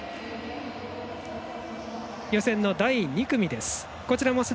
予選の第２組です。